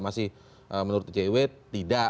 masih menurut ijw tidak